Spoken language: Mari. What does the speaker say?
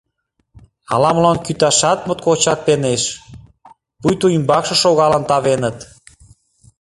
Ала-молан кӱташат моткочак пенеш, пуйто ӱмбакше шогалын тавеныт.